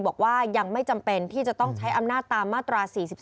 บอกว่ายังไม่จำเป็นที่จะต้องใช้อำนาจตามมาตรา๔๔